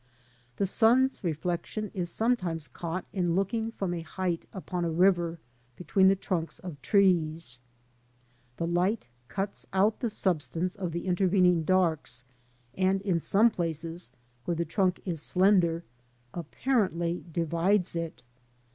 The sun's reflection is sometimes caught in looking from a height upon a river between the trunks of trees. The light cuts out the substance of the intervening darks, and, in some places, where the trunk is slender, apparently divides it.